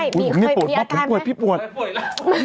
ใช่มีค่อยมีอาการมั้ย